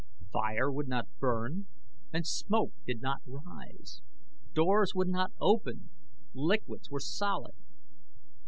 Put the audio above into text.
Fire would not burn and smoke did not rise. Doors would not open, liquids were solid.